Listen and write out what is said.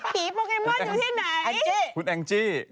ผีโปเกมอลอยู่ที่ไหนอังจิคุณอังจิ